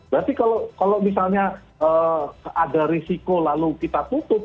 berarti kalau misalnya ada risiko lalu kita tutup